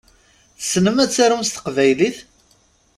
Tessnem ad tarum s teqbaylit?